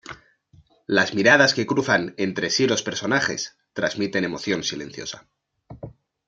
Las miradas que cruzan entre sí los personajes transmiten emoción silenciosa.